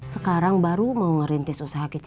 sekarang baru mengerintis usaha kecilnya